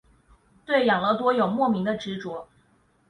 对养乐多有莫名的执着。